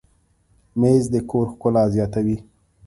مېز د کور ښکلا زیاتوي.